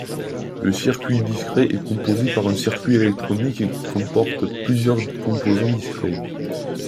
Le circuit discret est composé par un circuit électronique qui comporte plusieurs composants discrets.